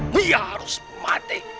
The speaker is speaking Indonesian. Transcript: dia harus mati